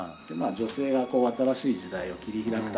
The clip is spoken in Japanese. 女性が新しい時代を切り開くための。